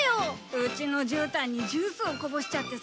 うちのじゅうたんにジュースをこぼしちゃってさ。